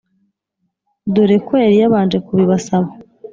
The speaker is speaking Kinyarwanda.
dore ko yari yabanje kubibasaba,